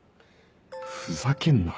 ふざけんな。